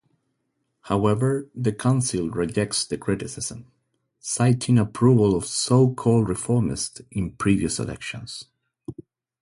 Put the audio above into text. However, the council rejects the criticism, citing approval of so-called reformists in previous elections.